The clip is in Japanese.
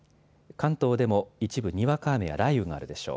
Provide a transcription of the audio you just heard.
関東でも一部にわか雨や雷雨があるでしょう。